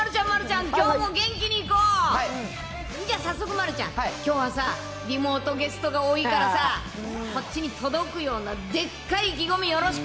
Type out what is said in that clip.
んじゃ、早速丸ちゃん、きょうはさ、リモートゲストが多いからさ、こっちに届くようなでっかい意気込みよろしく。